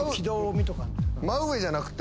真上じゃなくて。